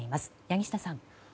柳下さん。